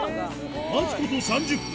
待つこと３０分